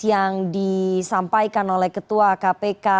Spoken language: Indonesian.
yang disampaikan oleh ketua kpk